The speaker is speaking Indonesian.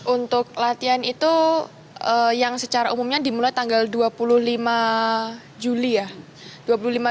untuk latihan itu yang secara umumnya dimulai tanggal dua puluh lima juli ya